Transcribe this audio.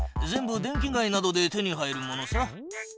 全部電気街などで手に入るものさ。